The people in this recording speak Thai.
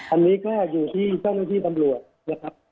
อันนี้แค่อยู่ที่ข้อมูลที่ำรวจนะครับ